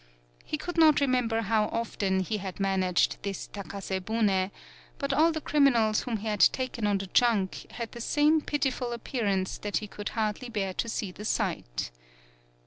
He could not remember how often he had man aged this Takase bune ; but all the crim inals whom he had taken on the junk had the same pitiful appearance that he could hardly bear to see the sight.